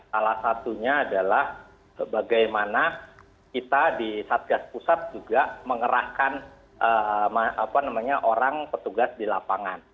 salah satunya adalah bagaimana kita di satgas pusat juga mengerahkan orang petugas di lapangan